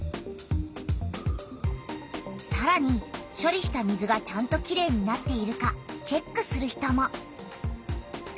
さらにしょりした水がちゃんときれいになっているかチェックする人も。